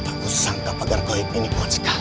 tak usah sangka pagar kohit ini buat sekali